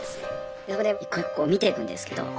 そこで一個一個見てくんですけど。